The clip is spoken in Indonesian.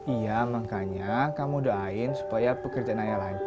iya makanya kamu doain supaya pekerjaan ayah lanjut